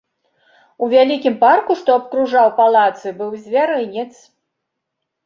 У вялікім парку, што абкружаў палацы, быў звярынец.